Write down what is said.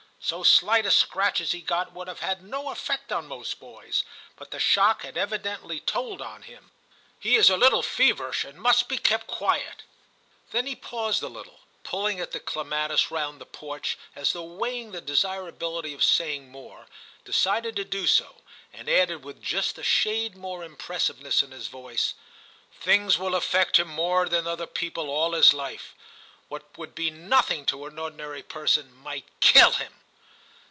So slight a 40 TIM CHAP. scratch as he got would have had no effect on most boys, but the shock has evidently told on him ; he is a little feverish and must be kept quiet/ Then he paused a little, pulling at the clematis round the porch, as though weighing the desirability of saying more, decided to do so, and added with just a shade more im pressiveness in his voice — 'Things will affect him more than other people all his life ; what would be nqthing to an ordinary person might kill him.'